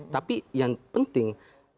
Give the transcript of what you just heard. tapi yang penting